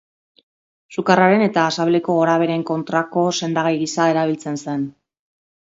Sukarraren eta sabeleko gorabeheren kontrako sendagai gisa erabiltzen zen.